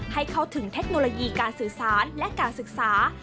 ให้เข้าถึงเทคโนโลยีการสื่อสารและการศึกษา